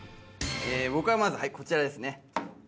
僕はまずこちらですね。